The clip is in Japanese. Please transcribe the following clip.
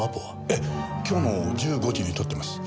ええ今日の１５時に取ってます。